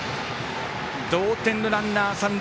同点のランナー、三塁。